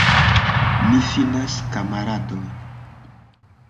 Mi finas, kamaradoj!